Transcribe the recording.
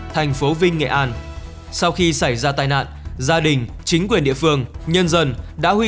thành phố vinh nghệ an sau khi xảy ra tai nạn gia đình chính quyền địa phương nhân dân đã huy